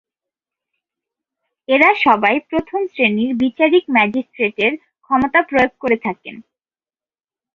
এরা সবাই প্রথম শ্রেণির বিচারিক ম্যাজিস্ট্রেটের ক্ষমতা প্রয়োগ করে থাকেন।